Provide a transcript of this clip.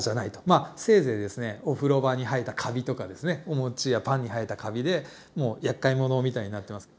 まあせいぜいですねお風呂場に生えたカビとかですねお餅やパンに生えたカビでもう厄介者みたいになってます。